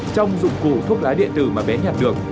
trong dụng cụ thuốc lá điện tử mà bé nhặt được